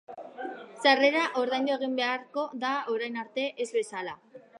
Sarrera ordaindu egin beharko da orain arte ez bezala.